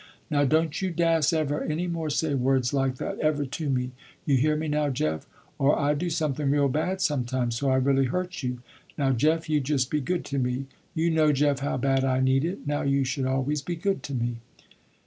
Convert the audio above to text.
Now don't you dass ever any more say words like that ever to me. You hear me now Jeff, or I do something real bad sometime, so I really hurt you. Now Jeff you just be good to me. You know Jeff how bad I need it, now you should always be good to me!"